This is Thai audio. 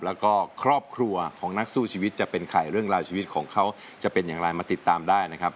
แล้วก็ครอบครัวของนักสู้ชีวิตจะเป็นใครเรื่องราวชีวิตของเขาจะเป็นอย่างไรมาติดตามได้นะครับ